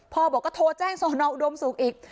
พ่อบอกก็โทรแจ้งสอนออุดมศุกร์อีก